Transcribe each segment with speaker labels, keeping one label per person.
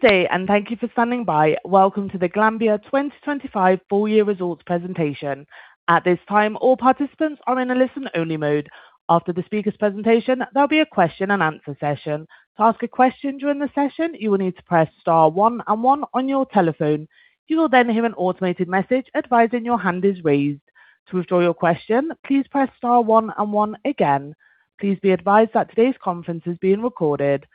Speaker 1: Good day, and thank you for standing by. Welcome to the Glanbia 2025 full year results presentation. At this time, all participants are in a listen-only mode. After the speaker's presentation, there'll be a question and answer session. To ask a question during the session, you will need to press star one and one on your telephone. You will then hear an automated message advising your hand is raised. To withdraw your question, please press star one and one again. Please be advised that today's conference is being recorded.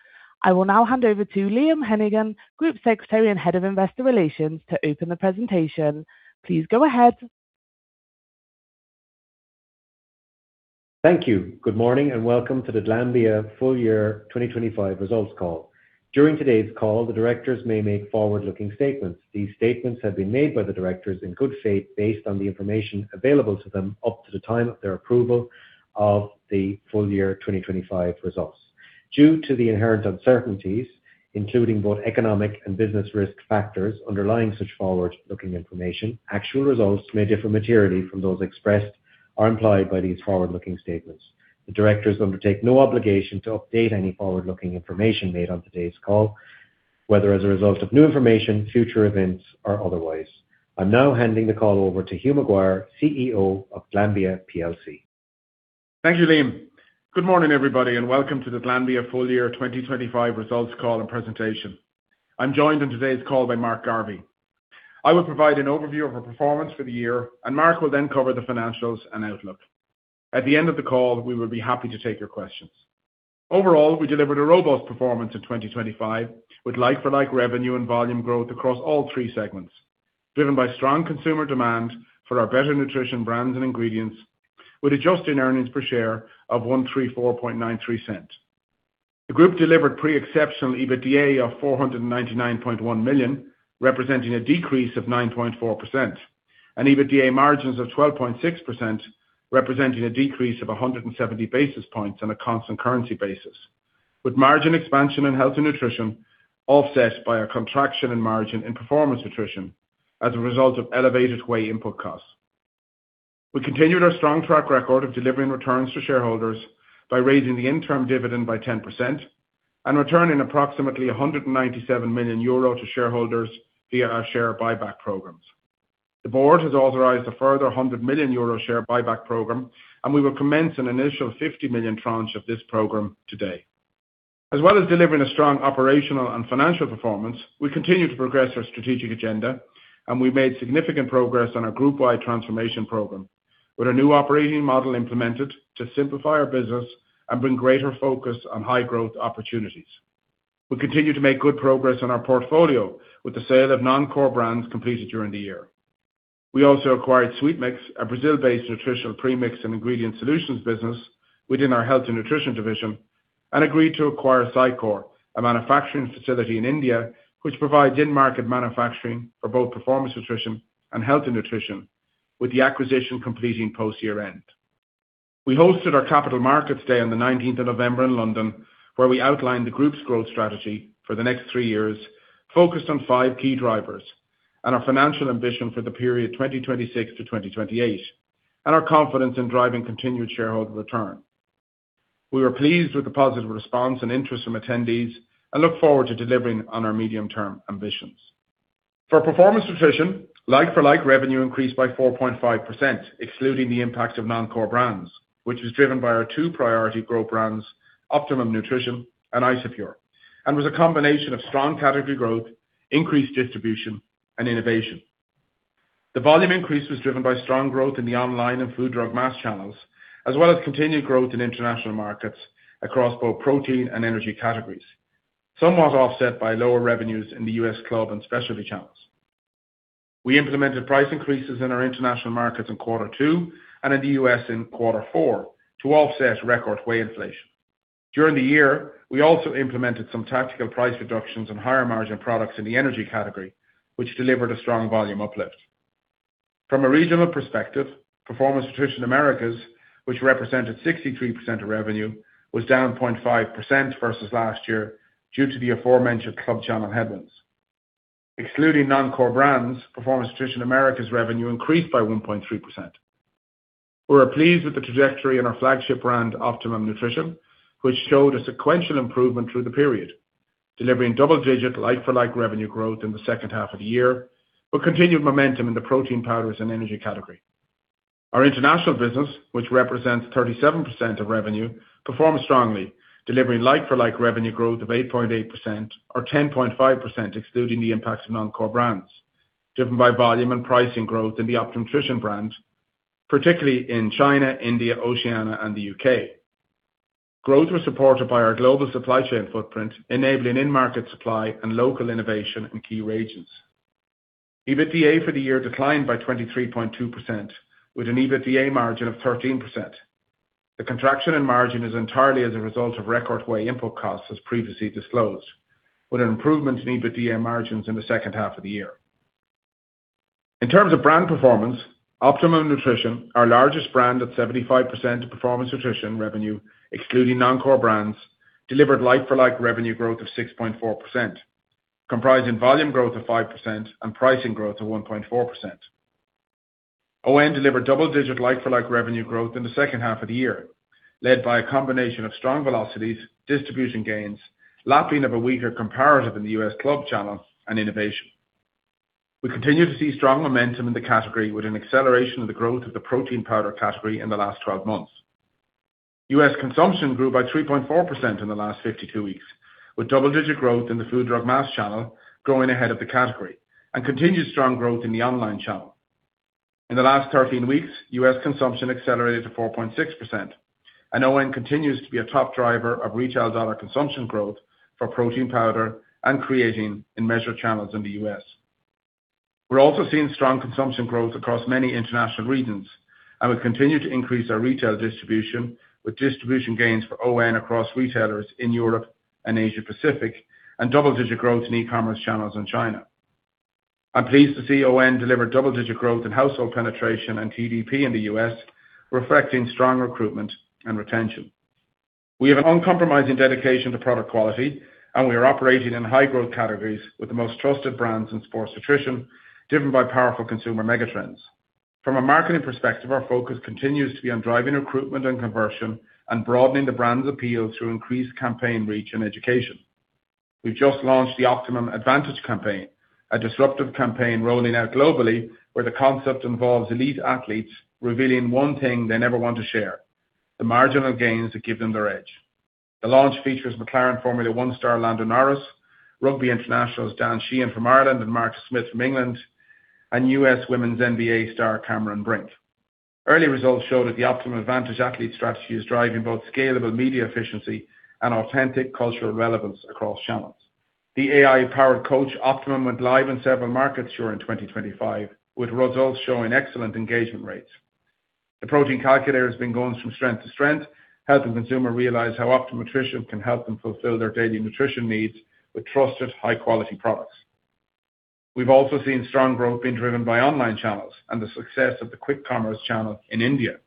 Speaker 1: I will now hand over to Liam Hennigan, Group Secretary and Head of Investor Relations, to open the presentation. Please go ahead.
Speaker 2: Thank you. Good morning, and welcome to the Glanbia full year 2025 results call. During today's call, the directors may make forward-looking statements. These statements have been made by the directors in good faith, based on the information available to them up to the time of their approval of the full year 2025 results. Due to the inherent uncertainties, including both economic and business risk factors underlying such forward-looking information, actual results may differ materially from those expressed or implied by these forward-looking statements. The directors undertake no obligation to update any forward-looking information made on today's call, whether as a result of new information, future events, or otherwise. I'm now handing the call over to Hugh McGuire, CEO of Glanbia plc.
Speaker 3: Thank you, Liam. Good morning, everybody, welcome to the Glanbia full year 2025 results call and presentation. I'm joined on today's call by Mark Garvey. I will provide an overview of our performance for the year. Mark will then cover the financials and outlook. At the end of the call, we will be happy to take your questions. Overall, we delivered a robust performance in 2025, with like-for-like revenue and volume growth across all three segments, driven by strong consumer demand for our better nutrition brands and ingredients, with adjusted earnings per share of $1.3493. The group delivered pre-exceptional EBITDA of 499.1 million, representing a decrease of 9.4%, and EBITDA margins of 12.6%, representing a decrease of 170 basis points on a constant currency basis, with margin expansion in Health & Nutrition offset by a contraction in margin in performance nutrition as a result of elevated whey input costs. We continued our strong track record of delivering returns to shareholders by raising the interim dividend by 10% and returning approximately 197 million euro to shareholders via our share buyback programs. The board has authorized a further 100 million euro share buyback program. We will commence an initial 50 million tranche of this program today. As well as delivering a strong operational and financial performance, we continue to progress our strategic agenda. We made significant progress on our group-wide transformation program, with a new operating model implemented to simplify our business and bring greater focus on high growth opportunities. We continue to make good progress on our portfolio with the sale of non-core brands completed during the year. We also acquired SweetMix, a Brazil-based nutritional premix and ingredient solutions business within our Health & Nutrition division, and agreed to acquire Scicore, a manufacturing facility in India, which provides in-market manufacturing for both performance nutrition and Health & Nutrition, with the acquisition completing post-year-end. We hosted our Capital Markets Day on the 19th of November in London, where we outlined the group's growth strategy for the next 3 years, focused on 5 key drivers and our financial ambition for the period 2026 to 2028, and our confidence in driving continued shareholder return. We were pleased with the positive response and interest from attendees and look forward to delivering on our medium-term ambitions. For performance nutrition, like-for-like revenue increased by 4.5%, excluding the impact of non-core brands, which was driven by our 2 priority growth brands, Optimum Nutrition and Isopure, and was a combination of strong category growth, increased distribution, and innovation. The volume increase was driven by strong growth in the online and Food, Drug, Mass channels, as well as continued growth in international markets across both protein and energy categories, somewhat offset by lower revenues in the U.S. club and specialty channels. We implemented price increases in our international markets in quarter two and in the U.S. in quarter four to offset record whey inflation. During the year, we also implemented some tactical price reductions on higher margin products in the energy category, which delivered a strong volume uplift. From a regional perspective, Performance Nutrition Americas, which represented 63% of revenue, was down 0.5% versus last year due to the aforementioned club channel headwinds. Excluding non-core brands, Performance Nutrition Americas revenue increased by 1.3%. We are pleased with the trajectory in our flagship brand, Optimum Nutrition, which showed a sequential improvement through the period, delivering double-digit like-for-like revenue growth in the second half of the year, but continued momentum in the protein powders and energy category. Our international business, which represents 37% of revenue, performed strongly, delivering like-for-like revenue growth of 8.8% or 10.5%, excluding the impacts of non-core brands, driven by volume and pricing growth in the Optimum Nutrition brand, particularly in China, India, Oceania, and the UK. Growth was supported by our global supply chain footprint, enabling in-market supply and local innovation in key regions. EBITDA for the year declined by 23.2%, with an EBITDA margin of 13%. The contraction in margin is entirely as a result of record whey input costs, as previously disclosed, with an improvement in EBITDA margins in the second half of the year. In terms of brand performance, Optimum Nutrition, our largest brand at 75% of performance nutrition revenue, excluding non-core brands, delivered like-for-like revenue growth of 6.4%, comprising volume growth of 5% and pricing growth of 1.4%. ON delivered double-digit like-for-like revenue growth in the second half of the year, led by a combination of strong velocities, distribution gains, lapping of a weaker comparative in the U.S. club channel, and innovation. We continue to see strong momentum in the category, with an acceleration of the growth of the protein powder category in the last 12 months. U.S. consumption grew by 3.4% in the last 52 weeks, with double-digit growth in the Food, Drug, Mass channel, growing ahead of the category, and continued strong growth in the online channel. In the last 13 weeks, U.S. consumption accelerated to 4.6%, ON continues to be a top driver of retail dollar consumption growth for protein powder and creatine in measured channels in the U.S. We're also seeing strong consumption growth across many international regions, we continue to increase our retail distribution, with distribution gains for ON across retailers in Europe and Asia Pacific, double-digit growth in e-commerce channels in China. I'm pleased to see ON deliver double-digit growth in household penetration and TDP in the U.S., reflecting strong recruitment and retention. We have an uncompromising dedication to product quality, and we are operating in high-growth categories with the most trusted brands in sports nutrition, driven by powerful consumer megatrends. From a marketing perspective, our focus continues to be on driving recruitment and conversion, and broadening the brand's appeal through increased campaign reach and education. We've just launched The Optimum Advantage campaign, a disruptive campaign rolling out globally, where the concept involves elite athletes revealing one thing they never want to share, the marginal gains that give them their edge. The launch features McLaren Formula 1 star, Lando Norris, Rugby Internationals Dan Sheehan from Ireland, and Marcus Smith from England, and U.S. WNBA star, Cameron Brink. Early results show that The Optimum Advantage athlete strategy is driving both scalable media efficiency and authentic cultural relevance across channels. The AI-powered coach, Optimum, went live in several markets during 2025, with results showing excellent engagement rates. The protein calculator has been going from strength to strength, helping consumer realize how Optimum Nutrition can help them fulfill their daily nutrition needs with trusted, high-quality products. We've also seen strong growth being driven by online channels and the success of the quick commerce channel in India.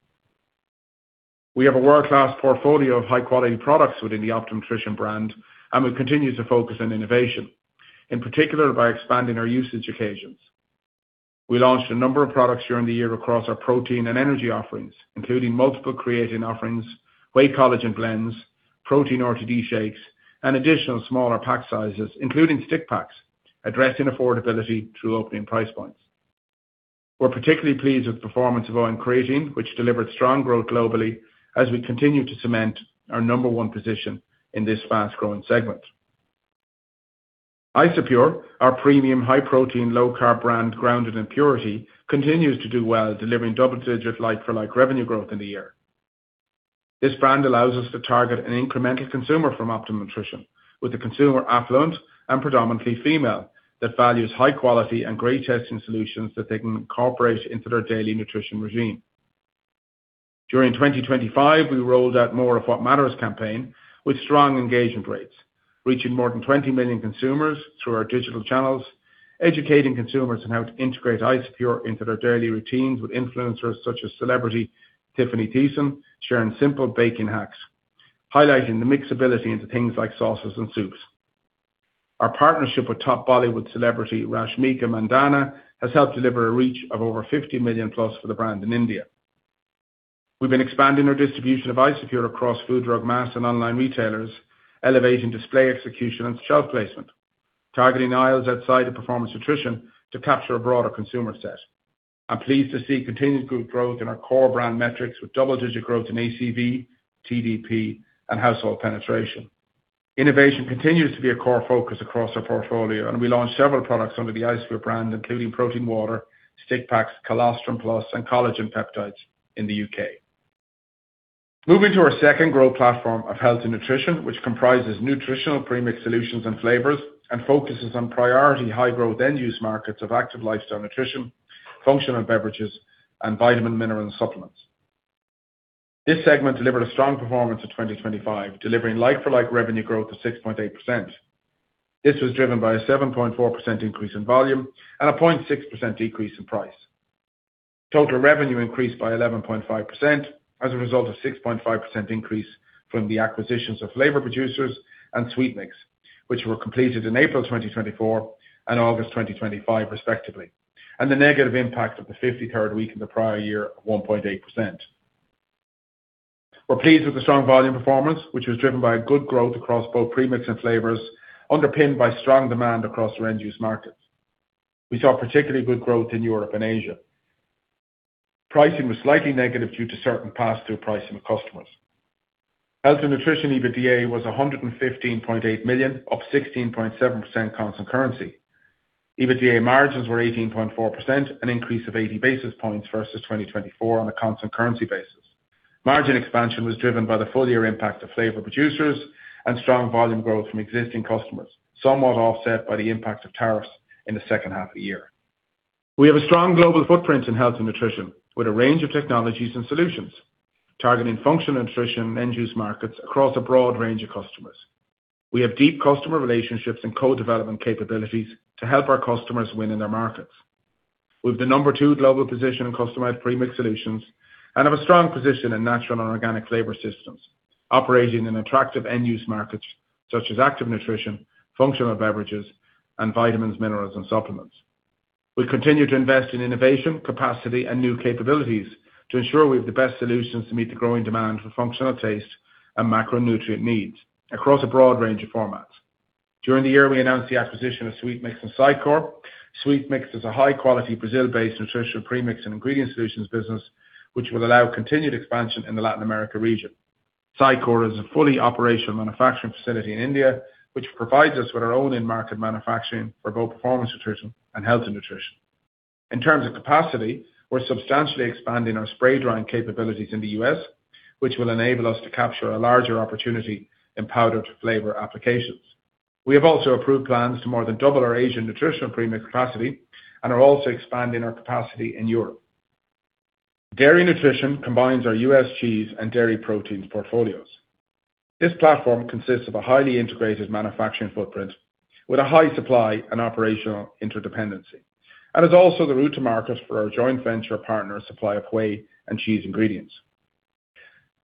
Speaker 3: We have a world-class portfolio of high-quality products within the Optimum Nutrition brand, and we've continued to focus on innovation, in particular by expanding our usage occasions. We launched a number of products during the year across our protein and energy offerings, including multiple creatine offerings, whey collagen blends, protein RTD shakes, and additional smaller pack sizes, including stick packs, addressing affordability through opening price points. We're particularly pleased with the performance of ON Creatine, which delivered strong growth globally as we continue to cement our number one position in this fast-growing segment. Isopure, our premium, high-protein, low-carb brand, grounded in purity, continues to do well, delivering double-digit like-for-like revenue growth in the year. This brand allows us to target an incremental consumer from Optimum Nutrition, with the consumer affluent and predominantly female, that values high quality and great-tasting solutions that they can incorporate into their daily nutrition regime. During 2025, we rolled out More of What Matters campaign with strong engagement rates, reaching more than 20 million consumers through our digital channels, educating consumers on how to integrate Isopure into their daily routines with influencers such as celebrity, Tiffani Thiessen, sharing simple baking hacks, highlighting the mixability into things like sauces and soups. Our partnership with top Bollywood celebrity, Rashmika Mandanna, has helped deliver a reach of over 50 million+ for the brand in India. We've been expanding our distribution of Isopure across Food, Drug, Mass, and online retailers, elevating display execution and shelf placement, targeting aisles outside of performance nutrition to capture a broader consumer set. I'm pleased to see continued good growth in our core brand metrics, with double-digit growth in ACV, TDP, and household penetration. Innovation continues to be a core focus across our portfolio, and we launched several products under the Isopure brand, including protein water, stick packs, colostrum plus, and collagen peptides in the UK. Moving to our second growth platform of Health & Nutrition, which comprises nutritional premix solutions and flavors, and focuses on priority high-growth end-use markets of active lifestyle nutrition, functional beverages, and vitamin, mineral, and supplements. This segment delivered a strong performance of 2025, delivering like-for-like revenue growth of 6.8%. This was driven by a 7.4% increase in volume and a 0.6% decrease in price. Total revenue increased by 11.5% as a result of 6.5% increase from the acquisitions of Flavor Producers and SweetMix, which were completed in April 2024 and August 2025, respectively, and the negative impact of the 53rd week in the prior year of 1.8%. We're pleased with the strong volume performance, which was driven by a good growth across both premix and flavors, underpinned by strong demand across our end-use markets. We saw particularly good growth in Europe and Asia. Pricing was slightly negative due to certain pass-through pricing of customers. Health & Nutrition EBITDA was $115.8 million, up 16.7% constant currency. EBITDA margins were 18.4%, an increase of 80 basis points versus 2024 on a constant currency basis. Margin expansion was driven by the full year impact of Flavor Producers and strong volume growth from existing customers, somewhat offset by the impact of tariffs in the second half of the year. We have a strong global footprint in Health & Nutrition, with a range of technologies and solutions, targeting functional nutrition and end-use markets across a broad range of customers. We have deep customer relationships and co-development capabilities to help our customers win in their markets. We've the number two global position in customized premix solutions and have a strong position in natural and organic flavor systems. operating in attractive end use markets, such as active nutrition, functional beverages, and vitamins, minerals, and supplements. We continue to invest in innovation, capacity, and new capabilities to ensure we have the best solutions to meet the growing demand for functional taste and macronutrient needs across a broad range of formats. During the year, we announced the acquisition of SweetMix and Scicore. SweetMix is a high-quality, Brazil-based nutritional premix and ingredient solutions business, which will allow continued expansion in the Latin America region. Scicore is a fully operational manufacturing facility in India, which provides us with our own in-market manufacturing for both performance nutrition and Health & Nutrition. In terms of capacity, we're substantially expanding our spray drying capabilities in the U.S., which will enable us to capture a larger opportunity in powdered flavor applications. We have also approved plans to more than double our Asian nutritional premix capacity and are also expanding our capacity in Europe. Dairy nutrition combines our U.S. cheese and dairy proteins portfolios. This platform consists of a highly integrated manufacturing footprint with a high supply and operational interdependency, is also the route to market for our joint venture partner supply of whey and cheese ingredients.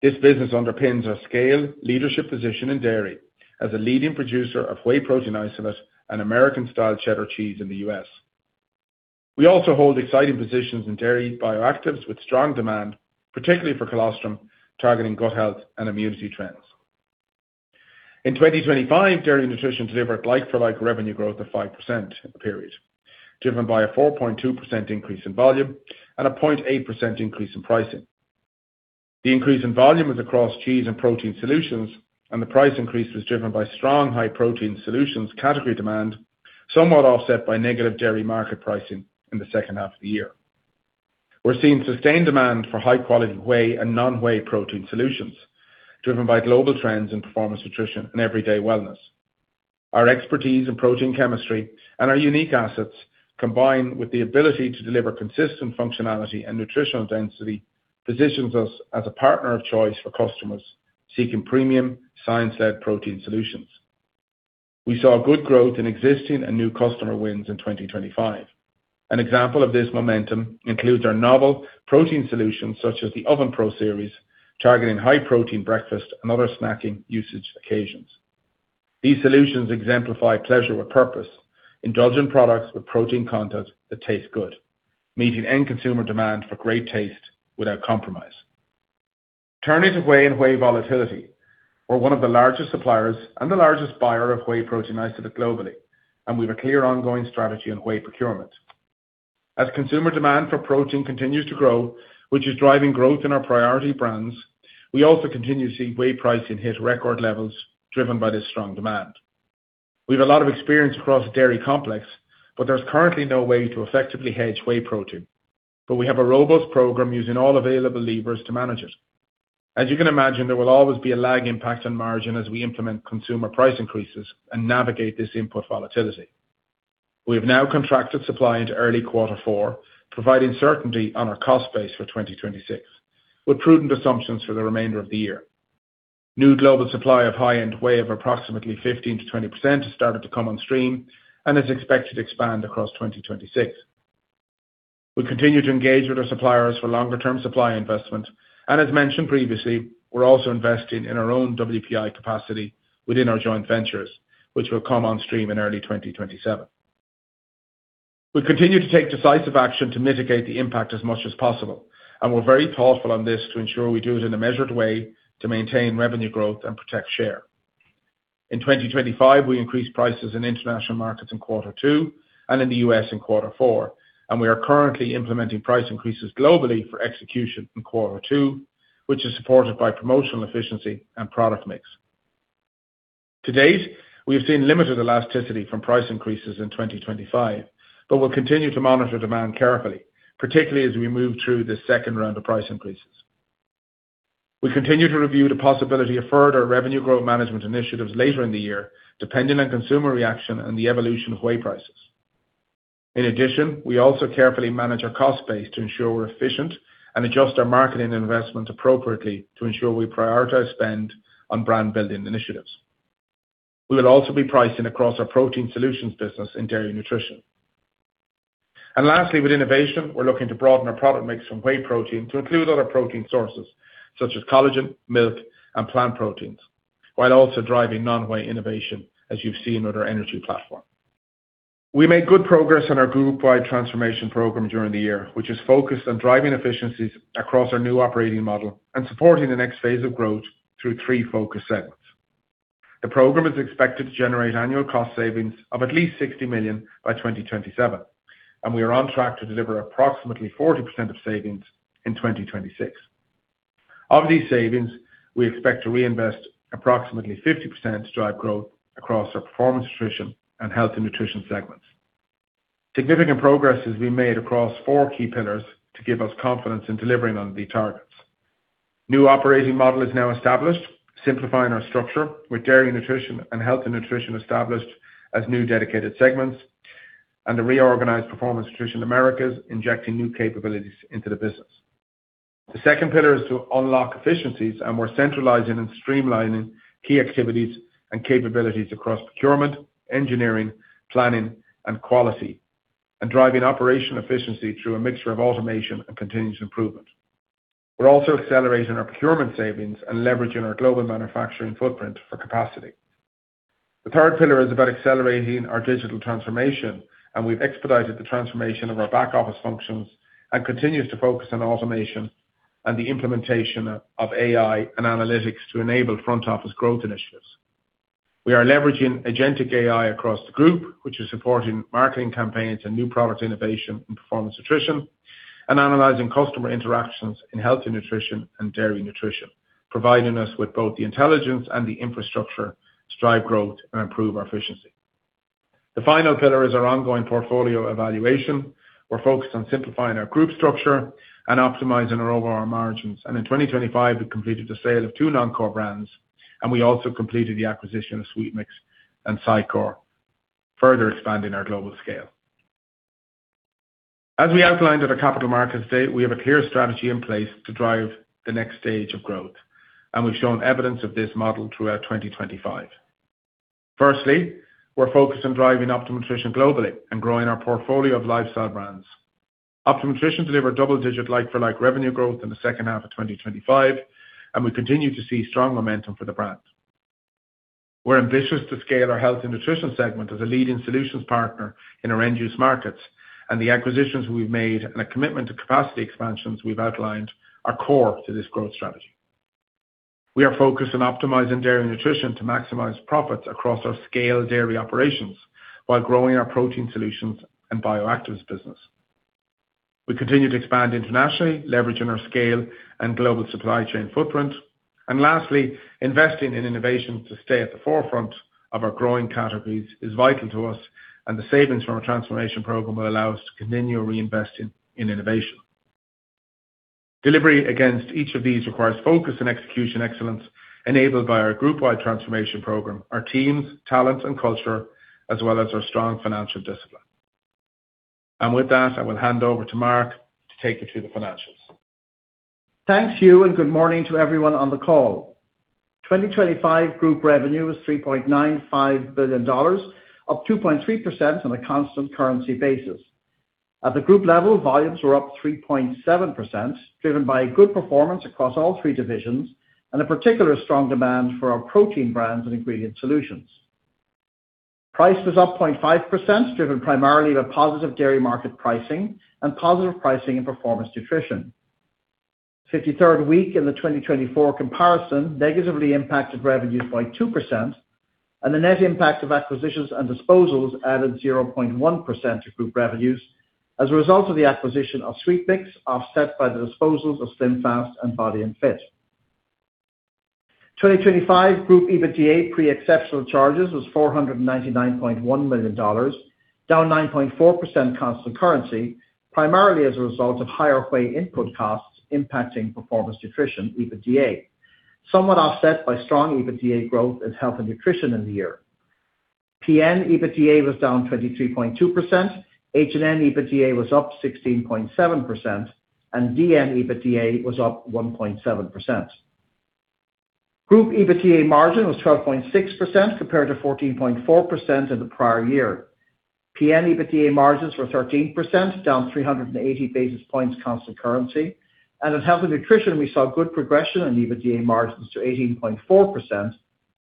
Speaker 3: This business underpins our scale leadership position in dairy as a leading producer of whey protein isolate and American-style cheddar cheese in the U.S. We also hold exciting positions in dairy bioactives with strong demand, particularly for colostrum, targeting gut health and immunity trends. In 2025, dairy nutrition delivered like-for-like revenue growth of 5% in the period, driven by a 4.2% increase in volume and a 0.8% increase in pricing. The increase in volume was across cheese and protein solutions, and the price increase was driven by strong high protein solutions category demand, somewhat offset by negative dairy market pricing in the second half of the year. We're seeing sustained demand for high-quality whey and non-whey protein solutions, driven by global trends in performance nutrition and everyday wellness. Our expertise in protein chemistry and our unique assets, combined with the ability to deliver consistent functionality and nutritional density, positions us as a partner of choice for customers seeking premium, science-led protein solutions. We saw good growth in existing and new customer wins in 2025. An example of this momentum includes our novel protein solutions, such as the OvenPro Series, targeting high-protein breakfast and other snacking usage occasions. These solutions exemplify pleasure with purpose, indulgent products with protein content that taste good, meeting end consumer demand for great taste without compromise. Turning to whey and whey volatility, we're one of the largest suppliers and the largest buyer of whey protein isolate globally. We have a clear ongoing strategy on whey procurement. As consumer demand for protein continues to grow, which is driving growth in our priority brands, we also continue to see whey pricing hit record levels, driven by this strong demand. We have a lot of experience across the dairy complex. There's currently no way to effectively hedge whey protein. We have a robust program using all available levers to manage it. As you can imagine, there will always be a lag impact on margin as we implement consumer price increases and navigate this input volatility. We have now contracted supply into early Q4, providing certainty on our cost base for 2026, with prudent assumptions for the remainder of the year. New global supply of high-end whey of approximately 15%-20% has started to come on stream and is expected to expand across 2026. We continue to engage with our suppliers for longer-term supply investment, and as mentioned previously, we're also investing in our own WPI capacity within our joint ventures, which will come on stream in early 2027. We continue to take decisive action to mitigate the impact as much as possible, and we're very thoughtful on this to ensure we do it in a measured way to maintain revenue growth and protect share. In 2025, we increased prices in international markets in quarter two and in the U.S. in quarter four. We are currently implementing price increases globally for execution in quarter two, which is supported by promotional efficiency and product mix. To date, we have seen limited elasticity from price increases in 2025. We'll continue to monitor demand carefully, particularly as we move through the second round of price increases. We continue to review the possibility of further revenue growth management initiatives later in the year, depending on consumer reaction and the evolution of whey prices. In addition, we also carefully manage our cost base to ensure we're efficient and adjust our marketing investment appropriately to ensure we prioritize spend on brand-building initiatives. We will also be pricing across our protein solutions business in dairy nutrition. Lastly, with innovation, we're looking to broaden our product mix from whey protein to include other protein sources, such as collagen, milk, and plant proteins, while also driving non-whey innovation, as you've seen with our energy platform. We made good progress on our group-wide transformation program during the year, which is focused on driving efficiencies across our new operating model and supporting the next phase of growth through three focus segments. The program is expected to generate annual cost savings of at least $60 million by 2027, and we are on track to deliver approximately 40% of savings in 2026. Of these savings, we expect to reinvest approximately 50% to drive growth across our performance nutrition, and Health & Nutrition segments. Significant progress has been made across four key pillars to give us confidence in delivering on the targets. New operating model is now established, simplifying our structure with dairy, nutrition, and Health & Nutrition established as new dedicated segments, and a reorganized Glanbia Performance Nutrition Americas, injecting new capabilities into the business. The second pillar is to unlock efficiencies. We're centralizing and streamlining key activities and capabilities across procurement, engineering, planning, and quality. Driving operational efficiency through a mixture of automation and continuous improvement. We're also accelerating our procurement savings and leveraging our global manufacturing footprint for capacity. The third pillar is about accelerating our digital transformation. We've expedited the transformation of our back-office functions and continues to focus on automation and the implementation of AI and analytics to enable front office growth initiatives. We are leveraging agentic AI across the group, which is supporting marketing campaigns and new product innovation and performance nutrition, and analyzing customer interactions in Health & Nutrition and dairy nutrition, providing us with both the intelligence and the infrastructure to drive growth and improve our efficiency. The final pillar is our ongoing portfolio evaluation. We're focused on simplifying our group structure and optimizing our overall margins. In 2025, we completed the sale of 2 non-core brands. We also completed the acquisition of SweetMix and Scicore, further expanding our global scale. As we outlined at our Capital Markets Day, we have a clear strategy in place to drive the next stage of growth. We've shown evidence of this model throughout 2025. Firstly, we're focused on driving Optimum Nutrition globally and growing our portfolio of lifestyle brands. Optimum Nutrition delivered double-digit, like-for-like revenue growth in the second half of 2025. We continue to see strong momentum for the brand. We're ambitious to scale our Health & Nutrition segment as a leading solutions partner in our end-use markets. The acquisitions we've made and a commitment to capacity expansions we've outlined are core to this growth strategy. We are focused on optimizing dairy nutrition to maximize profits across our scale dairy operations while growing our protein solutions and bioactives business. We continue to expand internationally, leveraging our scale and global supply chain footprint. Lastly, investing in innovation to stay at the forefront of our growing categories is vital to us. The savings from our transformation program will allow us to continue reinvesting in innovation. Delivery against each of these requires focus and execution excellence, enabled by our group-wide transformation program, our teams, talents, and culture, as well as our strong financial discipline. With that, I will hand over to Mark to take you through the financials.
Speaker 4: Thanks to you, good morning to everyone on the call. 2025 group revenue was $3.95 billion, up 2.3% on a constant currency basis. At the group level, volumes were up 3.7%, driven by a good performance across all three divisions and a particular strong demand for our protein brands and ingredient solutions. Price was up 0.5%, driven primarily by positive dairy market pricing and positive pricing in performance nutrition. The 53rd week in the 2024 comparison negatively impacted revenues by 2%, and the net impact of acquisitions and disposals added 0.1% to group revenues as a result of the acquisition of SweetMix, offset by the disposals of SlimFast and Body & Fit. 2025 Group EBITDA pre-exceptional charges was $499.1 million, down 9.4% constant currency, primarily as a result of higher whey input costs impacting performance nutrition EBITDA, somewhat offset by strong EBITDA growth in Health & Nutrition in the year. GPN EBITDA was down 23.2%, H&N EBITDA was up 16.7%, DN EBITDA was up 1.7%. Group EBITDA margin was 12.6%, compared to 14.4% in the prior year. GPN EBITDA margins were 13%, down 380 basis points constant currency. In Health & Nutrition, we saw good progression on EBITDA margins to 18.4%,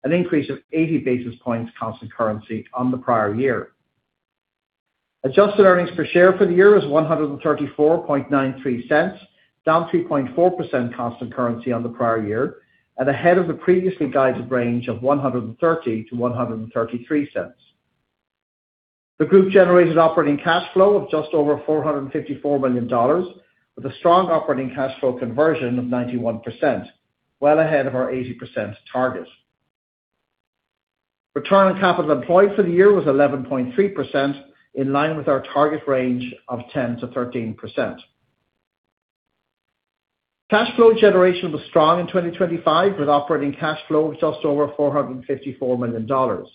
Speaker 4: an increase of 80 basis points constant currency on the prior year. Adjusted earnings per share for the year is $1.3493, down 3.4% constant currency on the prior year, ahead of the previously guided range of $1.30-$1.33. The group generated operating cash flow of just over $454 million, with a strong operating cash flow conversion of 91%, well ahead of our 80% target. Return on Capital Employed for the year was 11.3%, in line with our target range of 10%-13%. Cash flow generation was strong in 2025, with operating cash flow of just over $454 million.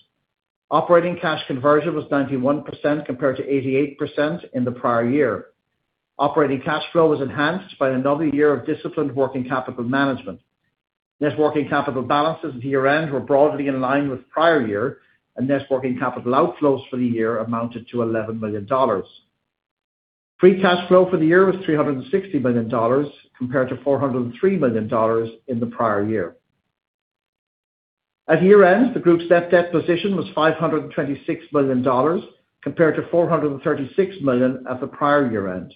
Speaker 4: Operating cash conversion was 91%, compared to 88% in the prior year. Operating cash flow was enhanced by another year of disciplined working capital management. Net working capital balances at year-end were broadly in line with prior year, and net working capital outflows for the year amounted to $11 million. Free cash flow for the year was $360 million, compared to $403 million in the prior year. At year-end, the group's net debt position was $526 million, compared to $436 million at the prior year-end.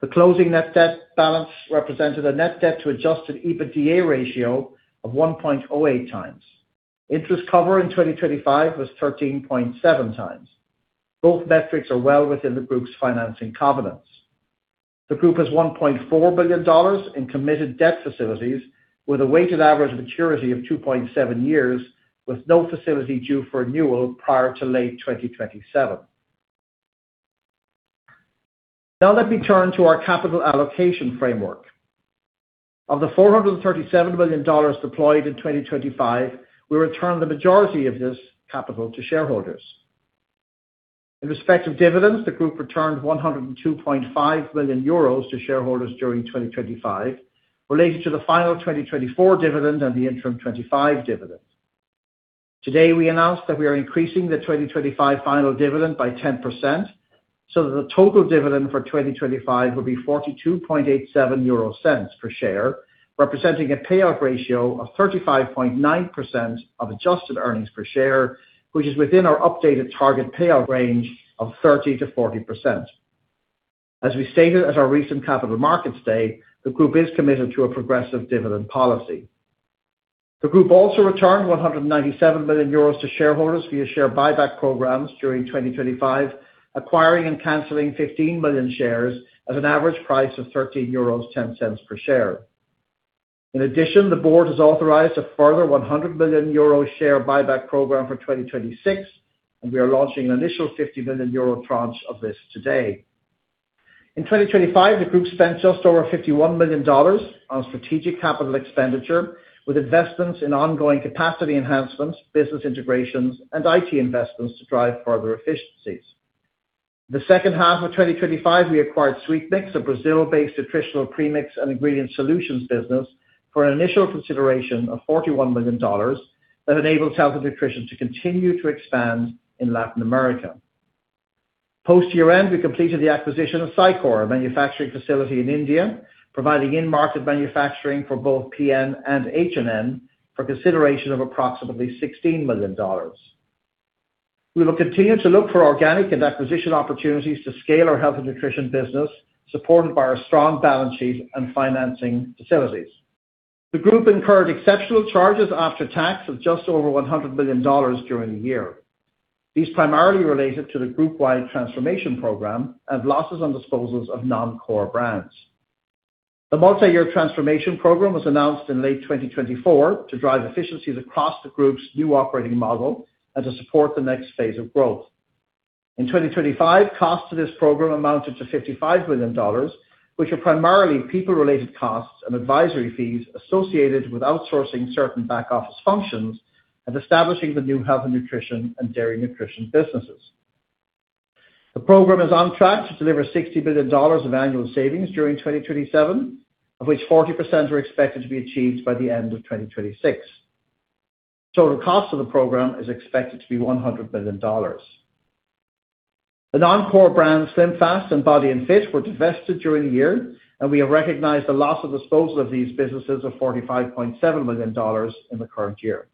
Speaker 4: The closing net debt balance represented a net debt to Adjusted EBITDA ratio of 1.08x. Interest cover in 2025 was 13.7x. Both metrics are well within the group's financing covenants. The group has $1.4 billion in committed debt facilities, with a weighted average maturity of 2.7 years, with no facility due for renewal prior to late 2027. Now let me turn to our capital allocation framework. Of the $437 billion deployed in 2025, we returned the majority of this capital to shareholders. In respect of dividends, the group returned 102.5 million euros to shareholders during 2025, related to the final 2024 dividend and the interim 2025 dividend. Today, we announced that we are increasing the 2025 final dividend by 10%, so that the total dividend for 2025 will be 0.4287 per share, representing a payout ratio of 35.9% of adjusted earnings per share, which is within our updated target payout range of 30%-40%. As we stated at our recent Capital Markets Day, the group is committed to a progressive dividend policy. The group also returned 197 million euros to shareholders via share buyback programs during 2025, acquiring and canceling 15 million shares at an average price of 13.10 euros per share. The board has authorized a further 100 million euro share buyback program for 2026. We are launching an initial 50 million euro tranche of this today. In 2025, the group spent just over $51 million on strategic CapEx, with investments in ongoing capacity enhancements, business integrations, and IT investments to drive further efficiencies. The second half of 2025, we acquired SweetMix, a Brazil-based nutritional premix and ingredient solutions business, for an initial consideration of $41 million that enabled Health & Nutrition to continue to expand in Latin America. Post-year-end, we completed the acquisition of Scicore, a manufacturing facility in India, providing in-market manufacturing for both PN and H&N for consideration of approximately $16 million. We will continue to look for organic and acquisition opportunities to scale our health and nutrition business, supported by our strong balance sheet and financing facilities. The group incurred exceptional charges after tax of just over $100 million during the year. These primarily related to the group-wide transformation program and losses on disposals of non-core brands. The multi-year transformation program was announced in late 2024 to drive efficiencies across the group's new operating model and to support the next phase of growth. In 2025, costs of this program amounted to $55 million, which were primarily people-related costs and advisory fees associated with outsourcing certain back-office functions and establishing the new Health & Nutrition and dairy nutrition businesses. The program is on track to deliver $60 billion of annual savings during 2027, of which 40% are expected to be achieved by the end of 2026. Total cost of the program is expected to be $100 billion. The non-core brands, SlimFast and Body & Fit, were divested during the year, and we have recognized the loss of disposal of these businesses of $45.7 million in the current year.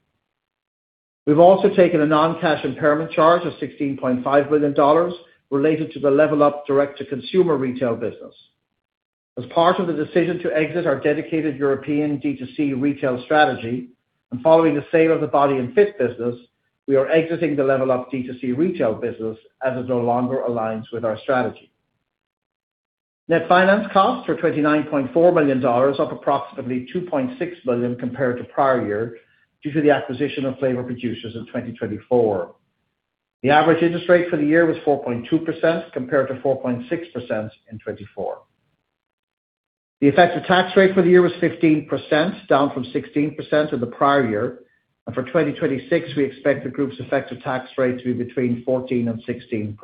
Speaker 4: We've also taken a non-cash impairment charge of $16.5 billion related to the LevlUp direct-to-consumer retail business. As part of the decision to exit our dedicated European D2C retail strategy, and following the sale of the Body & Fit business, we are exiting the LevlUp D2C retail business as it no longer aligns with our strategy. Net finance costs were $29.4 million, up approximately $2.6 billion compared to prior year, due to the acquisition of Flavor Producers in 2024. The average interest rate for the year was 4.2%, compared to 4.6% in 2024. The effective tax rate for the year was 15%, down from 16% in the prior year. For 2026, we expect the group's effective tax rate to be between 14% and 16%.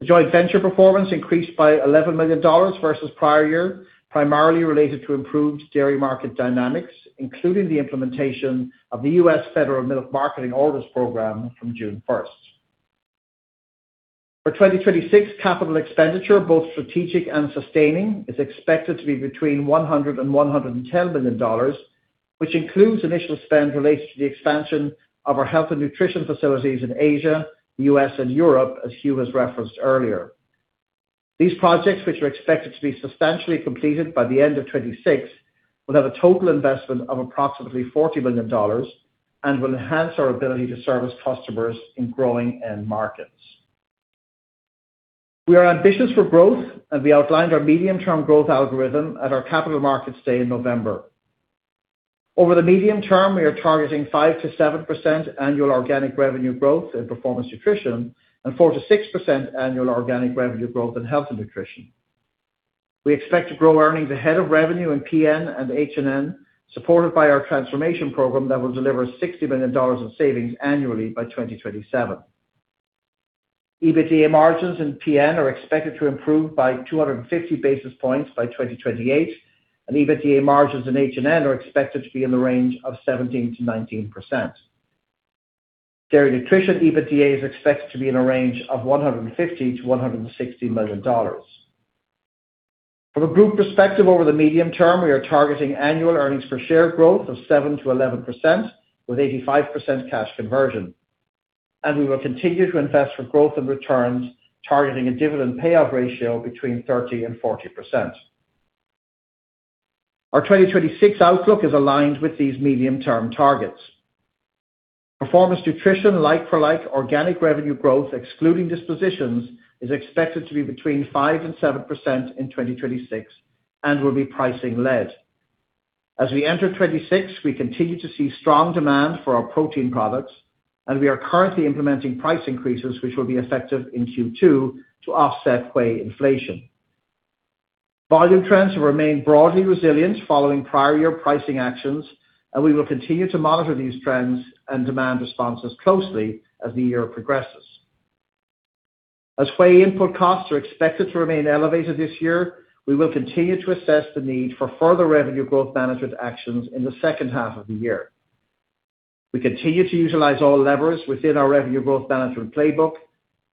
Speaker 4: The joint venture performance increased by $11 million versus prior year, primarily related to improved dairy market dynamics, including the implementation of the US Federal Milk Marketing Orders program from June 1st. For 2026, capital expenditure, both strategic and sustaining, is expected to be between $100 billion and $110 billion, which includes initial spend related to the expansion of our Health & Nutrition facilities in Asia, U.S., and Europe, as Hugh has referenced earlier. These projects, which are expected to be substantially completed by the end of 2026, will have a total investment of approximately $40 billion and will enhance our ability to service customers in growing end markets. We are ambitious for growth, and we outlined our medium-term growth algorithm at our Capital Markets Day in November. Over the medium term, we are targeting 5%-7% annual organic revenue growth in performance nutrition and 4%-6% annual organic revenue growth in Health & Nutrition. We expect to grow earnings ahead of revenue in PN and H&N, supported by our transformation program that will deliver $60 billion in savings annually by 2027. EBITDA margins in PN are expected to improve by 250 basis points by 2028, and EBITDA margins in H&N are expected to be in the range of 17%-19%. Dairy Nutrition EBITDA is expected to be in a range of $150 million-$160 million. From a group perspective, over the medium term, we are targeting annual earnings per share growth of 7%-11%, with 85% cash conversion, and we will continue to invest for growth and returns, targeting a dividend payout ratio between 30% and 40%. Our 2026 outlook is aligned with these medium-term targets. Performance nutrition, like-for-like organic revenue growth, excluding dispositions, is expected to be between 5% and 7% in 2026 and will be pricing led. As we enter 2026, we continue to see strong demand for our protein products, and we are currently implementing price increases, which will be effective in Q2 to offset whey inflation. Volume trends have remained broadly resilient following prior year pricing actions, and we will continue to monitor these trends and demand responses closely as the year progresses. As whey input costs are expected to remain elevated this year, we will continue to assess the need for further revenue growth management actions in the second half of the year. We continue to utilize all levers within our revenue growth management playbook,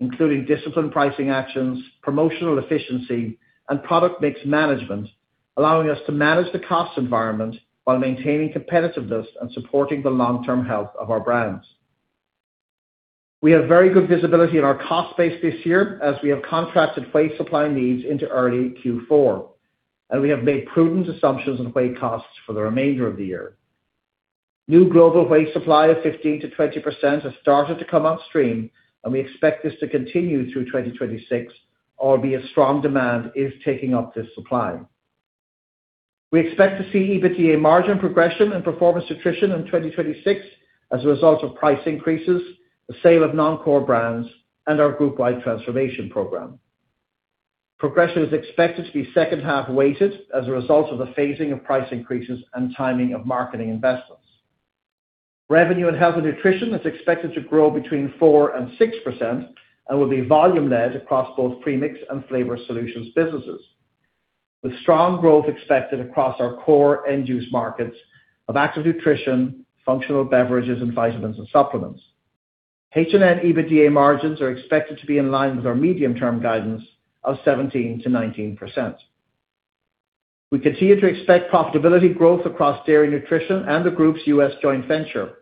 Speaker 4: including disciplined pricing actions, promotional efficiency, and product mix management, allowing us to manage the cost environment while maintaining competitiveness and supporting the long-term health of our brands. We have very good visibility in our cost base this year, as we have contracted whey supply needs into early Q4, and we have made prudent assumptions on whey costs for the remainder of the year. New global whey supply of 15%-20% has started to come on stream, and we expect this to continue through 2026, albeit strong demand is taking up this supply. We expect to see EBITDA margin progression and performance nutrition in 2026 as a result of price increases, the sale of non-core brands, and our group-wide transformation program. Progression is expected to be second half weighted as a result of the phasing of price increases and timing of marketing investments. Revenue and Health & Nutrition is expected to grow between 4% and 6% and will be volume led across both premix and flavor solutions businesses, with strong growth expected across our core end use markets of active nutrition, functional beverages, and vitamins and supplements. H&N EBITDA margins are expected to be in line with our medium-term guidance of 17%-19%. We continue to expect profitability growth across Dairy Nutrition and the group's U.S. joint venture.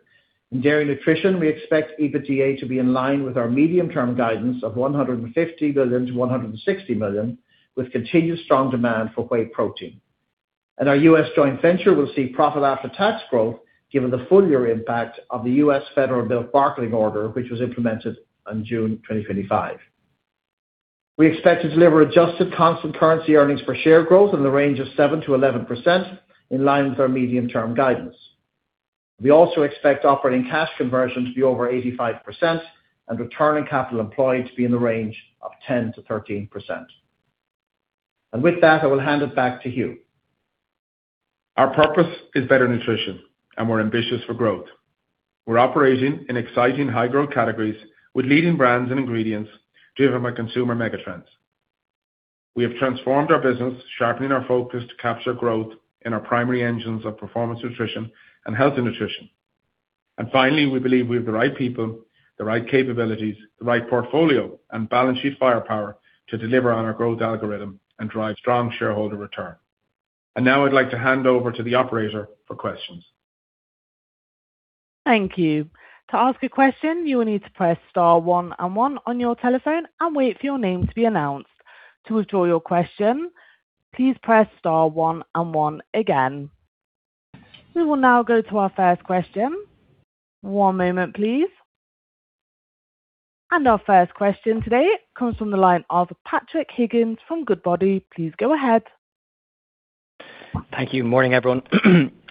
Speaker 4: In Dairy Nutrition, we expect EBITDA to be in line with our medium-term guidance of $150 billion-$160 billion, with continued strong demand for whey protein. Our U.S. joint venture will see profit after tax growth, given the full year impact of the U.S. Federal Milk Marketing Order, which was implemented on June 2025. We expect to deliver adjusted constant currency earnings per share growth in the range of 7%-11% in line with our medium-term guidance. We also expect operating cash conversion to be over 85% and return on capital employed to be in the range of 10%-13%. With that, I will hand it back to Hugh.
Speaker 3: Our purpose is better nutrition. We're ambitious for growth. We're operating in exciting, high-growth categories with leading brands and ingredients driven by consumer megatrends. We have transformed our business, sharpening our focus to capture growth in our primary engines of performance nutrition and Health & Nutrition. Finally, we believe we have the right people, the right capabilities, the right portfolio, and balance sheet firepower to deliver on our growth algorithm and drive strong shareholder return. Now I'd like to hand over to the operator for questions.
Speaker 1: Thank you. To ask a question, you will need to press star one and one on your telephone and wait for your name to be announced. To withdraw your question, please press star one and one again. We will now go to our first question. One moment, please. Our first question today comes from the line of Patrick Higgins from Goodbody. Please go ahead.
Speaker 5: Thank you. Morning, everyone.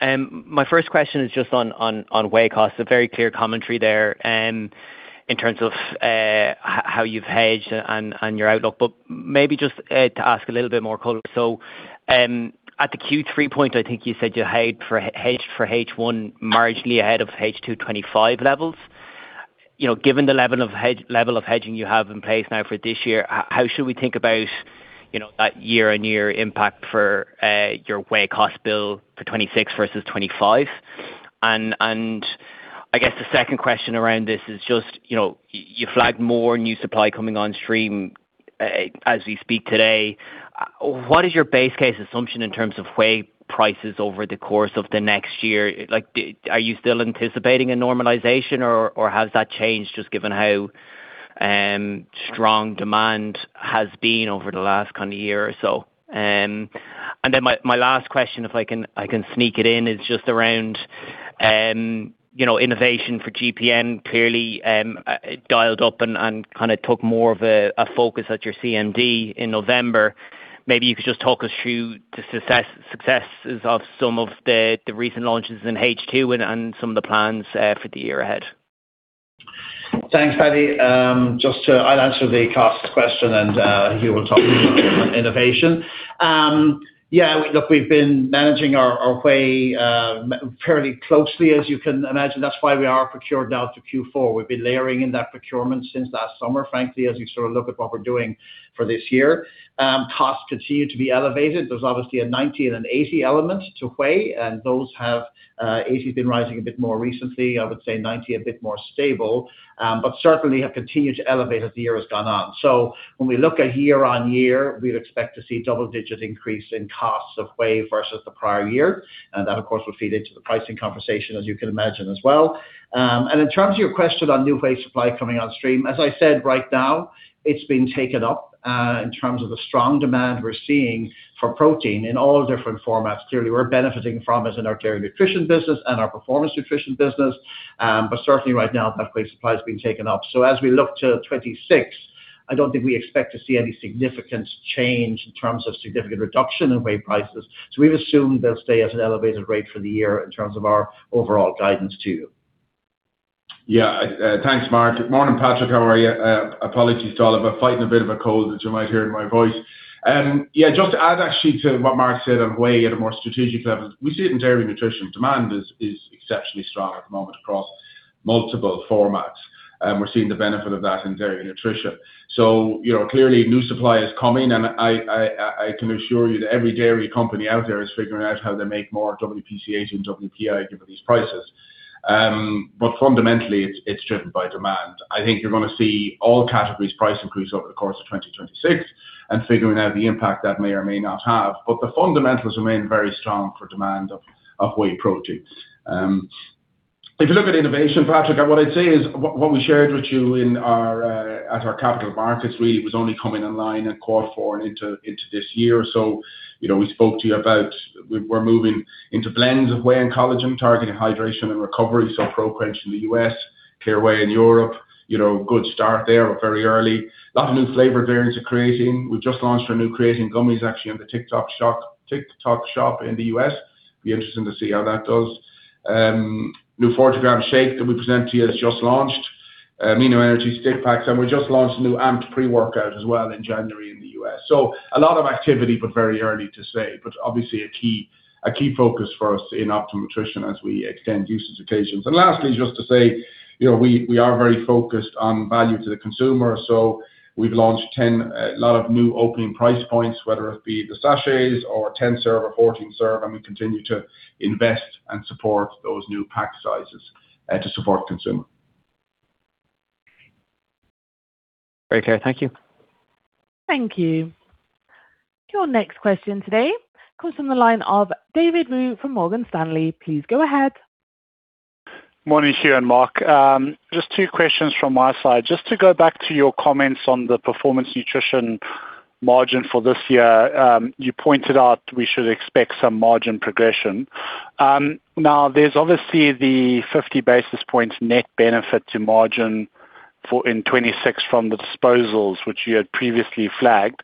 Speaker 5: My first question is just on whey costs. A very clear commentary there, in terms of how you've hedged and your outlook. Maybe just to ask a little bit more color. At the Q3 point, I think you said you hedged for H1 marginally ahead of H2 2025 levels. You know, given the level of hedging you have in place now for this year, how should we think about, you know, that year-on-year impact for your whey cost bill for 2026 versus 2025? I guess the second question around this is just, you know, you flagged more new supply coming on stream, as we speak today. What is your base case assumption in terms of whey prices over the course of the next year? Like, are you still anticipating a normalization or has that changed just given how strong demand has been over the last kind of year or so? And then my last question, if I can, I can sneak it in, is just around, you know, innovation for GPN. Clearly, it dialed up and kind of took more of a focus at your CMD in November. Maybe you could just talk us through the successes of some of the recent launches in H2 and some of the plans for the year ahead.
Speaker 4: Thanks, Patty. I'll answer the cost question and Hugh will talk about innovation. Yeah, look, we've been managing our whey fairly closely, as you can imagine. That's why we are procured now to Q4. We've been layering in that procurement since last summer, frankly, as you sort of look at what we're doing for this year. Costs continue to be elevated. There's obviously a 90 and an 80 element to whey, and those have 80 been rising a bit more recently. I would say 90, a bit more stable, but certainly have continued to elevate as the year has gone on. When we look at year-over-year, we'd expect to see double-digit increase in costs of whey versus the prior year. That, of course, will feed into the pricing conversation, as you can imagine as well. In terms of your question on new whey supply coming on stream, as I said, right now, it's been taken up in terms of the strong demand we're seeing for protein in all different formats. Clearly, we're benefiting from this in our dairy nutrition business and our performance nutrition business. Certainly right now, that whey supply has been taken up. As we look to 2026, I don't think we expect to see any significant change in terms of significant reduction in whey prices. We've assumed they'll stay at an elevated rate for the year in terms of our overall guidance to you.
Speaker 3: Yeah. Thanks, Mark. Morning, Patrick, how are you? Apologies to all, I've been fighting a bit of a cold, which you might hear in my voice. Yeah, just to add actually to what Mark said on whey at a more strategic level, we see it in dairy nutrition. Demand is exceptionally strong at the moment multiple formats, and we're seeing the benefit of that in dairy and nutrition. You know, clearly, new supply is coming, and I can assure you that every dairy company out there is figuring out how to make more WPC and WPI given these prices. Fundamentally, it's driven by demand. I think you're gonna see all categories price increase over the course of 2026, and figuring out the impact that may or may not have. The fundamentals remain very strong for demand of whey proteins. If you look at innovation, Patrick, what I'd say is what we shared with you in our at our Capital Markets, really, it was only coming online in quarter four and into this year. You know, we spoke to you about we're moving into blends of whey and collagen, targeting hydration and recovery, Crunchie in the US, Clear Whey in Europe. You know, good start there, very early. Lot of new flavor variants of creatine. We just launched our new creatine gummies, actually, on the TikTok shop in the US. Be interesting to see how that does. New 40-gram shake that we presented to you that's just launched. Amino Energy Stick Packs, and we just launched a new Amped pre-workout as well in January in the US. A lot of activity, but very early to say. Obviously a key focus for us in Optimum Nutrition as we extend usage occasions. Lastly, just to say, you know, we are very focused on value to the consumer, so we've launched 10 lot of new opening price points, whether it be the sachets or 10 serve or 14 serve, and we continue to invest and support those new pack sizes to support consumer.
Speaker 5: Okay, thank you.
Speaker 1: Thank you. Your next question today comes from the line of David Xu from Morgan Stanley. Please go ahead.
Speaker 6: Morning, Hugh and Mark. Just two questions from my side. Just to go back to your comments on the performance nutrition margin for this year, you pointed out we should expect some margin progression. Now there's obviously the 50 basis points net benefit to margin in 2026 from the disposals, which you had previously flagged.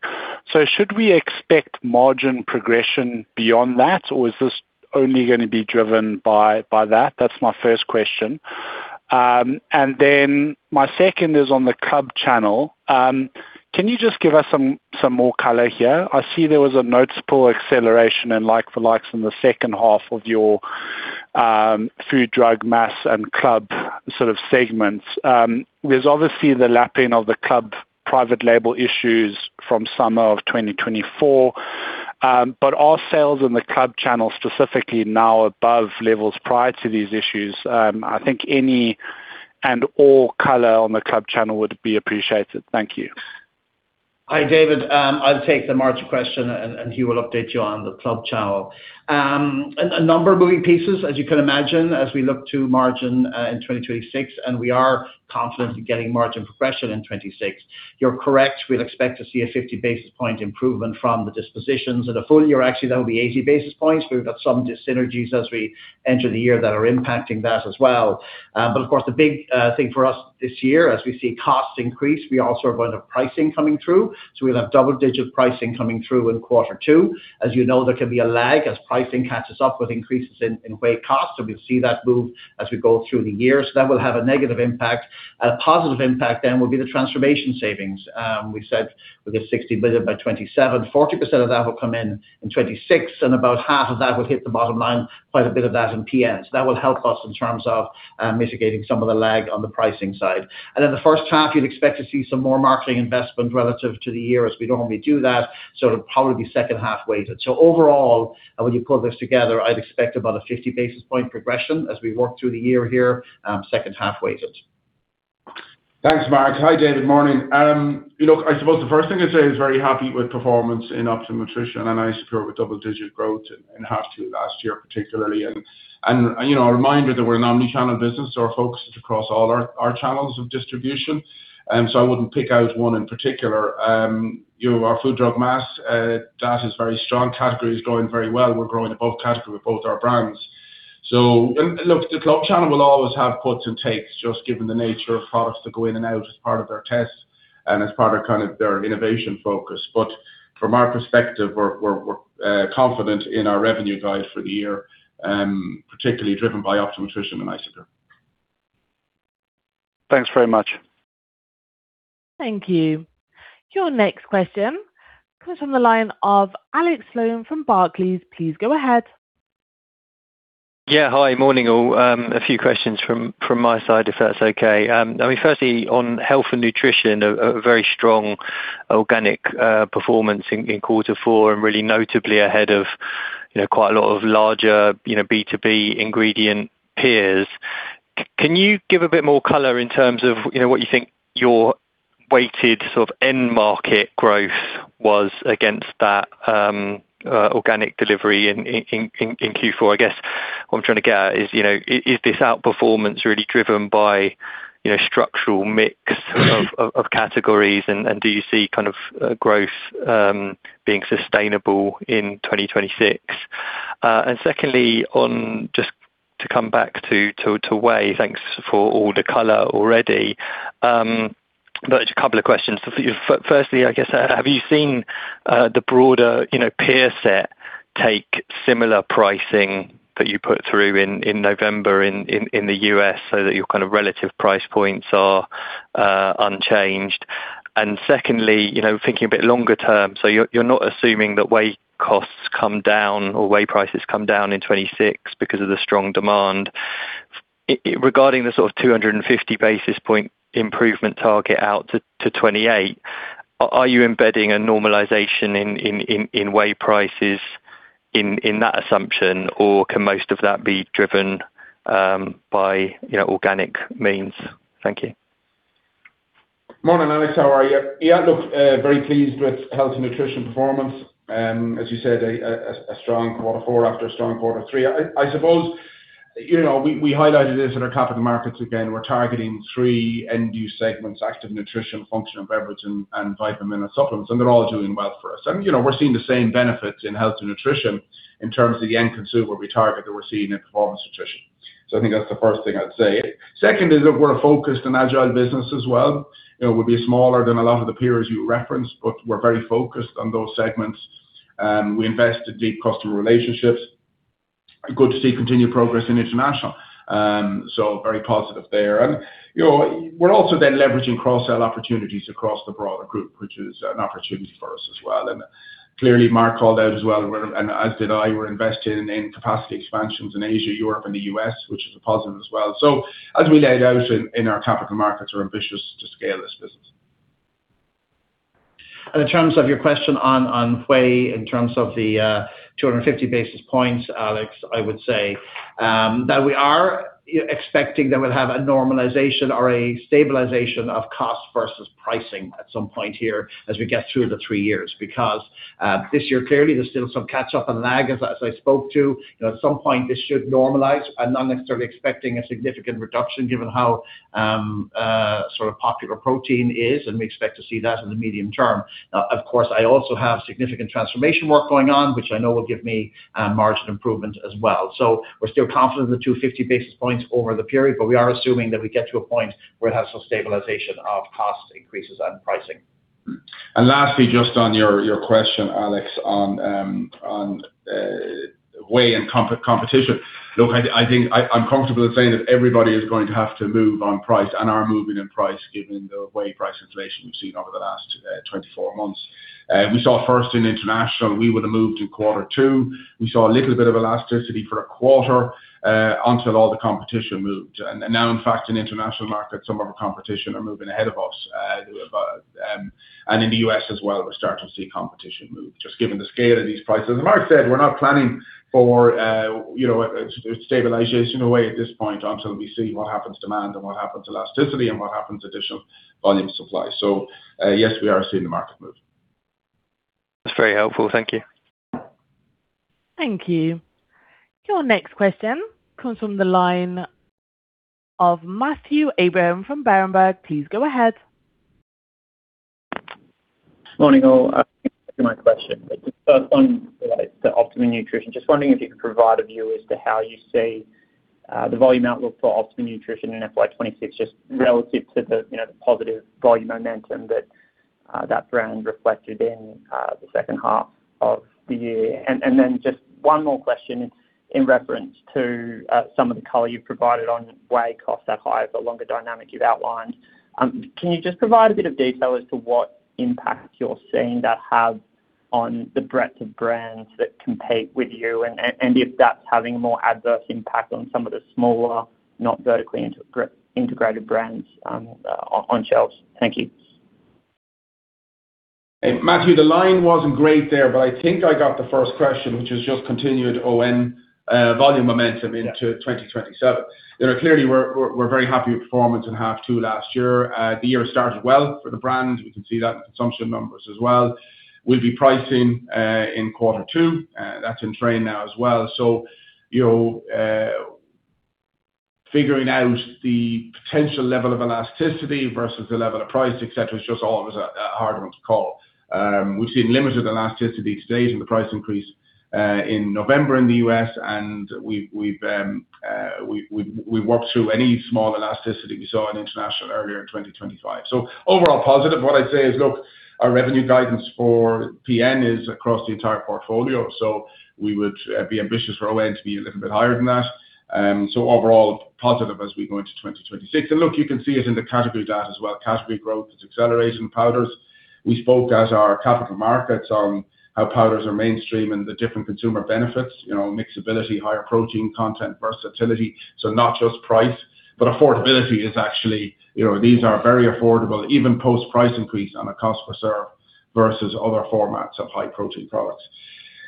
Speaker 6: Should we expect margin progression beyond that, or is this only gonna be driven by that? That's my first question. Then my second is on the club channel. Can you just give us some more color here? I see there was a noticeable acceleration in like for likes in the second half of your, Food, Drug, Mass, and club sort of segments. There's obviously the lapping of the club private label issues from summer of 2024, are sales in the club channel specifically now above levels prior to these issues? I think any and all color on the club channel would be appreciated. Thank you.
Speaker 4: Hi, David. I'll take the margin question. He will update you on the club channel. A number of moving pieces, as you can imagine, as we look to margin in 2026. We are confident in getting margin progression in 2026. You're correct, we'd expect to see a 50 basis point improvement from the dispositions. In a full year, actually, that will be 80 basis points. We've got some dyssynergies as we enter the year that are impacting that as well. Of course, the big thing for us this year, as we see costs increase, we also have a lot of pricing coming through. We'll have double-digit pricing coming through in quarter two. As you know, there can be a lag as pricing catches up with increases in whey costs, so we'll see that move as we go through the year. That will have a negative impact. A positive impact then will be the transformation savings. We said we get $60 billion by 2027, 40% of that will come in in 2026, and about half of that would hit the bottom line, quite a bit of that in PN. That will help us in terms of mitigating some of the lag on the pricing side. In the first half, you'd expect to see some more marketing investment relative to the year, as we normally do that, so it'll probably be second half weighted. Overall, when you pull this together, I'd expect about a 50 basis point progression as we work through the year here, second half weighted.
Speaker 3: Thanks, Mark. Hi, David. Morning. you know, I suppose the first thing I'd say is very happy with performance in Optimum Nutrition, and Isopure with double-digit growth in half two last year, particularly. you know, a reminder that we're an omni-channel business, so we're focused across all our channels of distribution, so I wouldn't pick out one in particular. you know, our Food, Drug, Mass, that is very strong. Category is growing very well. We're growing above category with both our brands. look, the club channel will always have puts and takes, just given the nature of products that go in and out as part of their tests and as part of kind of their innovation focus. From our perspective, we're confident in our revenue guide for the year, particularly driven by Optimum Nutrition and Isopure.
Speaker 6: Thanks very much.
Speaker 1: Thank you. Your next question comes from the line of Alex Sloane from Barclays. Please go ahead.
Speaker 7: Yeah, hi. Morning, all. A few questions from my side, if that's okay. I mean firstly, on Health & Nutrition, a very strong organic performance in quarter four, and really notably ahead of, you know, quite a lot of larger, you know, B2B ingredient peers. Can you give a bit more color in terms of, you know, what you think your weighted sort of end market growth was against that organic delivery in Q4? I guess what I'm trying to get at is, you know, is this outperformance really driven by, you know, structural mix of categories? Do you see kind of growth being sustainable in 2026? Secondly, on just to come back to whey, thanks for all the color already, but just a couple of questions. Firstly, I guess, have you seen, you know, the broader peer set take similar pricing that you put through in November in the US so that your kind of relative price points are unchanged. Secondly, you know, thinking a bit longer term, so you're not assuming that whey costs come down or whey prices come down in 2026 because of the strong demand. Regarding the sort of 250 basis point improvement target out to 2028, are you embedding a normalization in whey prices in that assumption, or can most of that be driven by, you know, organic means? Thank you.
Speaker 3: Morning, Alex, how are you? Yeah, look, very pleased with Health & Nutrition performance. As you said, a strong Q4 after a strong Q3. I suppose, you know, we highlighted this in our Capital Markets. We're targeting three end-use segments: active nutrition, functional beverage, and vitamin and supplements. They're all doing well for us. You know, we're seeing the same benefits in Health & Nutrition in terms of the end consumer we target that we're seeing in performance nutrition. I think that's the first thing I'd say. Second is that we're a focused and agile business as well. You know, we'll be smaller than a lot of the peers you referenced, but we're very focused on those segments. We invest in deep customer relationships. Good to see continued progress in international. Very positive there. You know, we're also then leveraging cross-sell opportunities across the broader group, which is an opportunity for us as well. Clearly, Mark called out as well, we're investing in capacity expansions in Asia, Europe, and the U.S., which is a positive as well. As we laid out in our Capital Markets, we're ambitious to scale this business.
Speaker 4: In terms of your question on whey, in terms of the 250 basis points, Alex, I would say that we are expecting that we'll have a normalization or a stabilization of cost versus pricing at some point here as we get through the three years, because this year, clearly, there's still some catch-up and lag, as I spoke to. You know, at some point, this should normalize. I'm not necessarily expecting a significant reduction given how sort of popular protein is, and we expect to see that in the medium term. Now, of course, I also have significant transformation work going on, which I know will give me margin improvement as well. We're still confident in the 250 basis points over the period, but we are assuming that we get to a point where it has some stabilization of cost increases and pricing.
Speaker 3: Lastly, just on your question, Alex, on whey and competition. Look, I think I'm comfortable in saying that everybody is going to have to move on price and are moving in price given the whey price inflation we've seen over the last 24 months. We saw first in international, we would have moved in quarter two. We saw a little bit of elasticity for a quarter until all the competition moved. Now, in fact, in international markets, some of our competition are moving ahead of us, and in the US as well, we're starting to see competition move, just given the scale of these prices. As Mark said, we're not planning for a stabilization away at this point until we see what happens demand and what happens elasticity and what happens additional volume supply. Yes, we are seeing the market move.
Speaker 7: That's very helpful. Thank you.
Speaker 1: Thank you. Your next question comes from the line of Matthew Abraham from Berenberg. Please go ahead.
Speaker 8: Morning, all. My question. First, on the Optimum Nutrition, just wondering if you could provide a view as to how you see the volume outlook for Optimum Nutrition in FY 2026, just relative to the positive volume momentum that brand reflected in the second half of the year. Just one more question in reference to some of the color you've provided on whey costs, that higher, but longer dynamic you've outlined. Can you just provide a bit of detail as to what impact you're seeing that have on the breadth of brands that compete with you, and if that's having a more adverse impact on some of the smaller, not vertically integrated brands, on shelves? Thank you.
Speaker 3: Matthew, the line wasn't great there. I think I got the first question, which is just continued ON volume momentum into 2027. You know, clearly, we're very happy with performance in half 2 last year. The year started well for the brand. We can see that in consumption numbers as well. We'll be pricing in quarter 2. That's in train now as well. You know, figuring out the potential level of elasticity versus the level of price, et cetera, is just always a hard one to call. We've seen limited elasticity to date in the price increase in November in the U.S., and we worked through any small elasticity we saw in international earlier in 2025. Overall positive. What I'd say is, look, our revenue guidance for PN is across the entire portfolio, so we would be ambitious for ON to be a little bit higher than that. Overall, positive as we go into 2026. Look, you can see it in the category data as well. Category growth is accelerating. Powders. We spoke at our capital markets on how powders are mainstream and the different consumer benefits, you know, mixability, higher protein content, versatility, so not just price, but affordability is actually. You know, these are very affordable, even post-price increase on a cost per serve versus other formats of high protein products.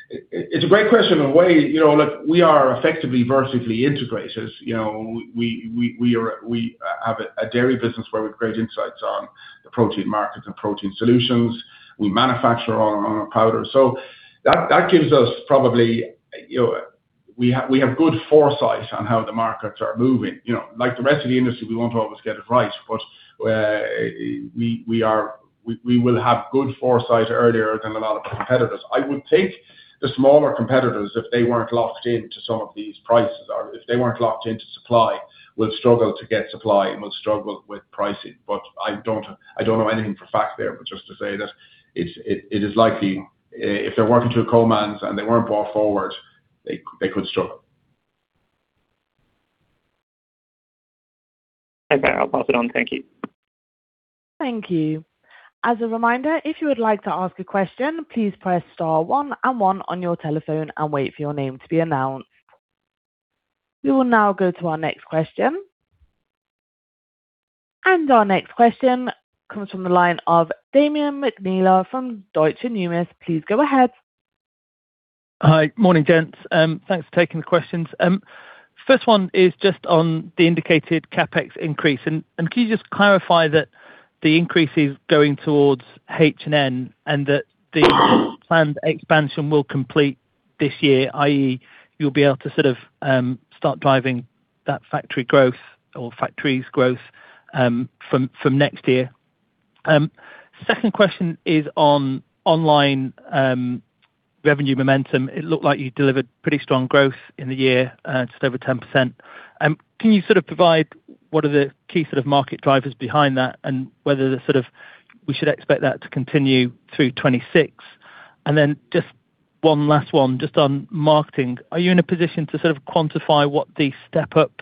Speaker 3: It's a great question in a way, you know, look, we are effectively vertically integrated. You know, we have a dairy business where we've great insights on the protein markets and protein solutions. We manufacture our own powders. That gives us probably, you know, we have good foresight on how the markets are moving. You know, like the rest of the industry, we won't always get it right, but we will have good foresight earlier than a lot of competitors. I would think the smaller competitors, if they weren't locked into some of these prices or if they weren't locked into supply, would struggle to get supply and would struggle with pricing. I don't, I don't know anything for fact there, but just to say that it is likely if they're working through co-mans and they weren't bought forward, they could struggle.
Speaker 8: Okay, I'll pass it on. Thank you.
Speaker 1: Thank you. As a reminder, if you would like to ask a question, please press star one and one on your telephone and wait for your name to be announced. We will now go to our next question. Our next question comes from the line of Damian McNeela from Deutsche Numis. Please go ahead.
Speaker 9: Hi. Morning, gents. Thanks for taking the questions. First one is just on the indicated CapEx increase, and can you just clarify that the increase is going towards H&N and that the planned expansion will complete this year, i.e., you'll be able to sort of start driving that factory growth or factories growth from next year? Second question is on online revenue momentum. It looked like you delivered pretty strong growth in the year, just over 10%. Can you sort of provide what are the key sort of market drivers behind that, and whether they're sort of we should expect that to continue through 2026? Just one last one, just on marketing. Are you in a position to sort of quantify what the step up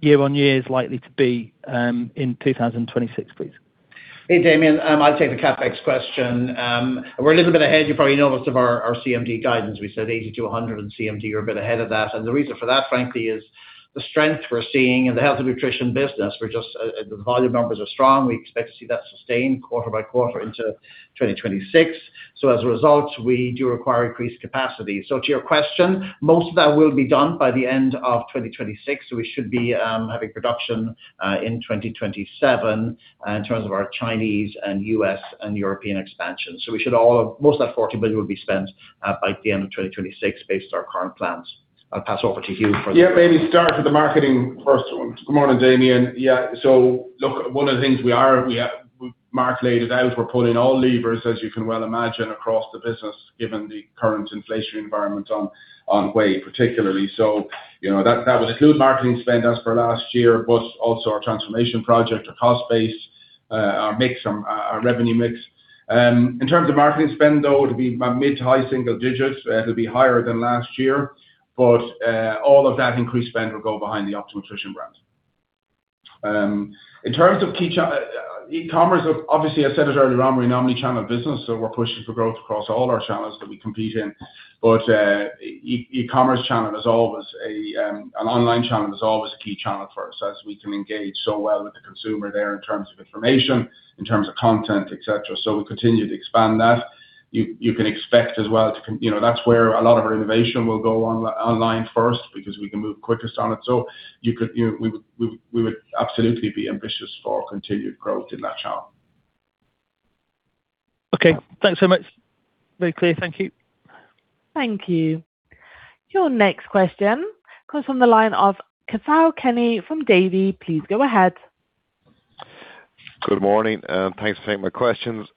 Speaker 9: year on year is likely to be, in 2026, please?
Speaker 4: Hey, Damian. I'll take the CapEx question. We're a little bit ahead. You probably know most of our CMD guidance. We said 80-100, CMD are a bit ahead of that. The reason for that, frankly, is the strength we're seeing in the Health & Nutrition business. We're just, the volume numbers are strong. We expect to see that sustained quarter by quarter into 2026. As a result, we do require increased capacity. To your question, most of that will be done by the end of 2026. We should be having production in 2027 in terms of our Chinese and U.S. and European expansion. Most of that $40 billion will be spent by the end of 2026, based on our current plans. I'll pass over to Hugh.
Speaker 3: Maybe start with the marketing first one. Good morning, Damian. Look, one of the things we are, we have Mark laid it out, we're pulling all levers, as you can well imagine, across the business, given the current inflation environment on whey, particularly. You know, that would include marketing spend as per last year, but also our transformation project, our cost base, our mix, our revenue mix. In terms of marketing spend, though, it'll be mid-to-high single digits. It'll be higher than last year, but all of that increased spend will go behind the Optimum Nutrition brands. In terms of key e-commerce, obviously, I said it earlier on, we're an omni-channel business, so we're pushing for growth across all our channels that we compete in. An online channel is always a key channel for us, as we can engage so well with the consumer there in terms of information, in terms of content, et cetera. We continue to expand that. You can expect as well. You know, that's where a lot of our innovation will go online first, because we can move quickest on it. You could, you know, we would absolutely be ambitious for continued growth in that channel.
Speaker 9: Okay. Thanks so much. Very clear. Thank you.
Speaker 1: Thank you. Your next question comes from the line of Cathal Kenny from Davy. Please go ahead.
Speaker 10: Good morning. Thanks for taking my questions.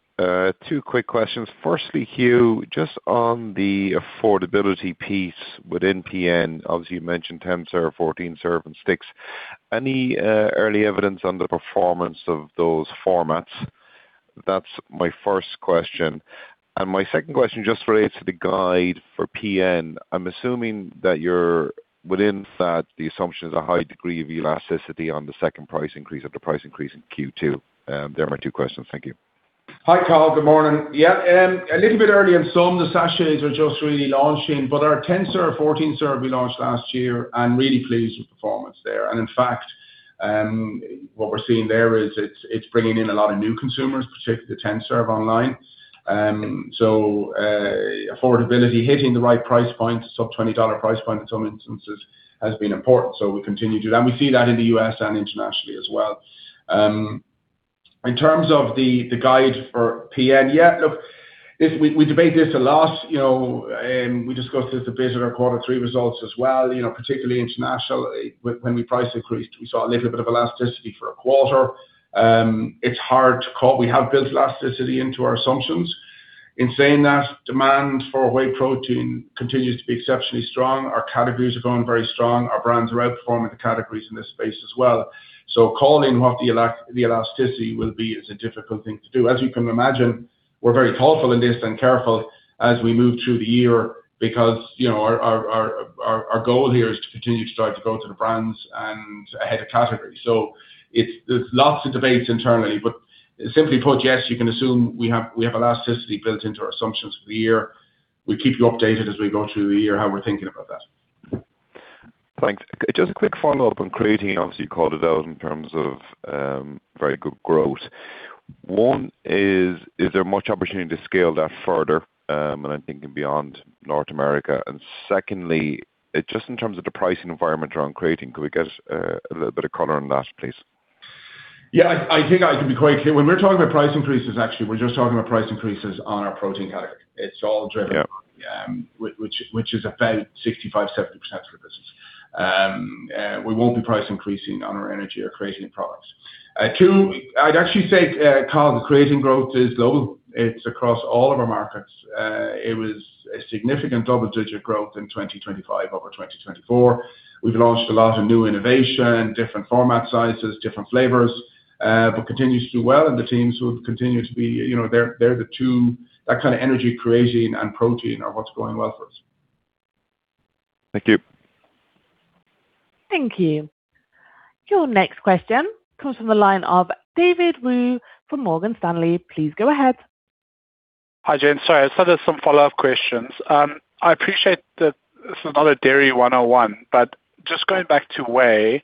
Speaker 10: Two quick questions. Firstly, Hugh, just on the affordability piece within PN, obviously, you mentioned 10 server, 14 server and sticks. Any early evidence on the performance of those formats? That's my first question. My second question just relates to the guide for PN. I'm assuming that you're within that, the assumption is a high degree of elasticity on the second price increase of the price increase in Q2. There are my two questions. Thank you.
Speaker 3: Hi, Cathal. Good morning. Yeah, a little bit early on, some of the sachets are just really launching, but our 10 server, 14 server we launched last year, I'm really pleased with performance there. In fact, what we're seeing there is it's bringing in a lot of new consumers, particularly the 10 serve online. Affordability, hitting the right price point, sub $20 price point in some instances, has been important. We continue to do that, and we see that in the U.S. and internationally as well. In terms of the guide for PN, yeah, look, we debate this a lot, you know, we discussed this a bit in our quarter 3 results as well, you know, particularly internationally, when we price increased, we saw a little bit of elasticity for a quarter. It's hard to call. We have built elasticity into our assumptions. In saying that, demand for whey protein continues to be exceptionally strong. Our categories are going very strong. Our brands are outperforming the categories in this space as well. Calling what the elasticity will be is a difficult thing to do. As you can imagine, we're very thoughtful in this and careful as we move through the year because, you know, our goal here is to continue to drive the growth of the brands and ahead of category. There's lots of debates internally, but simply put, yes, you can assume we have elasticity built into our assumptions for the year. We'll keep you updated as we go through the year, how we're thinking about that.
Speaker 10: Thanks. Just a quick follow-up on creatine, obviously, you called it out in terms of very good growth. Is there much opportunity to scale that further? I'm thinking beyond North America. Secondly, just in terms of the pricing environment around creatine, could we get a little bit of color on that, please?
Speaker 3: Yeah, I think I can be quite clear. When we're talking about price increases, actually, we're just talking about price increases on our protein category.
Speaker 10: Yeah...
Speaker 3: which is about 65%-70% of the business. We won't be price increasing on our energy or creatine products. 2, I'd actually say, Cathal, the creatine growth is global. It's across all of our markets. It was a significant double-digit growth in 2025 over 2024. We've launched a lot of new innovation, different format sizes, different flavors. Continues to do well, and the teams will continue to be, you know, they're the two, that kind of energy, creatine and protein are what's going well for us.
Speaker 10: Thank you.
Speaker 1: Thank you. Your next question comes from the line of David Wu from Morgan Stanley. Please go ahead.
Speaker 6: Hi, Jane. Sorry, I just had some follow-up questions. I appreciate that this is not a Dairy 101, but just going back to whey,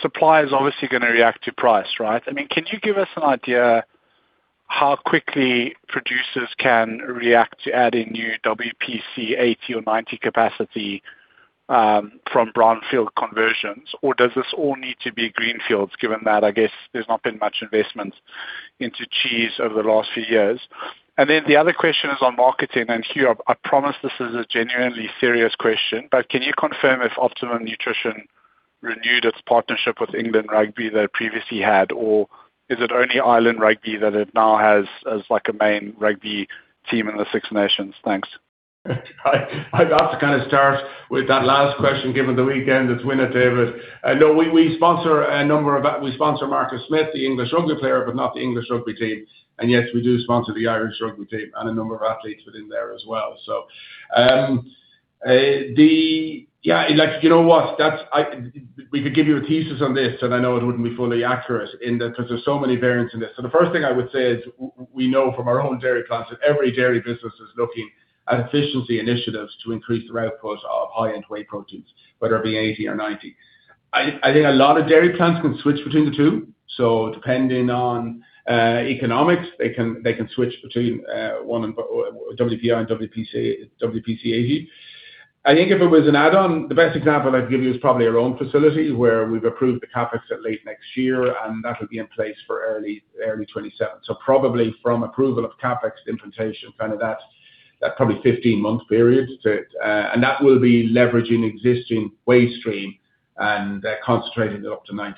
Speaker 6: supply is obviously gonna react to price, right? I mean, can you give us an idea how quickly producers can react to adding new WPC-80 or 90 capacity from brownfield conversions? Does this all need to be greenfields, given that, I guess, there's not been much investment into cheese over the last few years. The other question is on marketing, and here, I promise this is a genuinely serious question, but can you confirm if Optimum Nutrition renewed its partnership with England Rugby they previously had, or is it only Ireland Rugby that it now has as, like, a main rugby team in the Six Nations? Thanks.
Speaker 3: I'd have to kind of start with that last question, given the weekend that's winner, David. We sponsor a number of we sponsor Marcus Smith, the English rugby player, but not the English rugby team. Yes, we do sponsor the Irish rugby team and a number of athletes within there as well. Like, you know what? That's, we could give you a thesis on this, I know it wouldn't be fully accurate in that, 'cause there's so many variants in this. The first thing I would say is we know from our own dairy plants that every dairy business is looking at efficiency initiatives to increase the output of high-end whey proteins, whether it be 80 or 90. I think a lot of dairy plants can switch between the two, so depending on economics, they can switch between one and WPI and WPC-80. I think if it was an add-on, the best example I'd give you is probably our own facility, where we've approved the CapEx at late next year, and that'll be in place for early 2027. Probably from approval of CapEx implementation, kind of that probably 15-month period to. That will be leveraging existing whey stream and concentrating it up to 90%.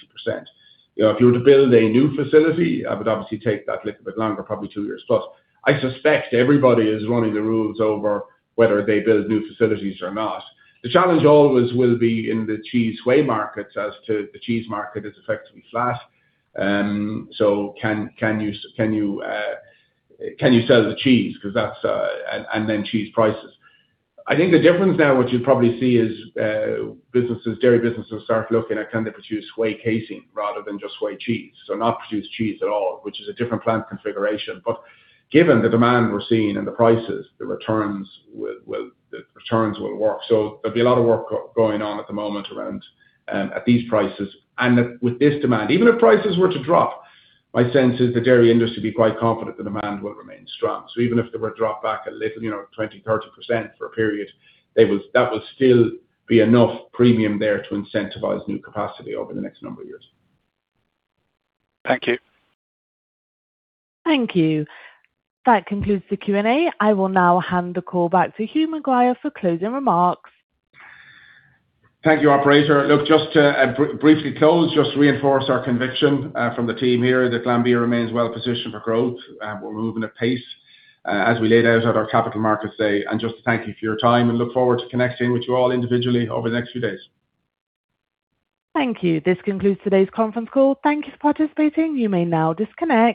Speaker 3: You know, if you were to build a new facility, it would obviously take that little bit longer, probably 2+ years. I suspect everybody is running the rules over whether they build new facilities or not. The challenge always will be in the cheese whey markets as to the cheese market is effectively flat. Can you sell the cheese? Then cheese prices. I think the difference now, what you'd probably see is businesses, dairy businesses start looking at, can they produce whey casein rather than just whey cheese, so not produce cheese at all, which is a different plant configuration. Given the demand we're seeing and the prices, the returns will work. There'll be a lot of work going on at the moment around at these prices, with this demand. Even if prices were to drop, my sense is the dairy industry will be quite confident the demand will remain strong. Even if there were a drop back a little, you know, 20%, 30% for a period, they will, that will still be enough premium there to incentivize new capacity over the next number of years.
Speaker 6: Thank you.
Speaker 1: Thank you. That concludes the Q&A. I will now hand the call back to Hugh McGuire for closing remarks.
Speaker 3: Thank you, operator. Look, just to briefly close, just to reinforce our conviction, from the team here, that Glanbia remains well positioned for growth. We're moving at pace, as we laid out at our Capital Markets Day. Just to thank you for your time, and look forward to connecting with you all individually over the next few days.
Speaker 1: Thank you. This concludes today's conference call. Thank you for participating. You may now disconnect.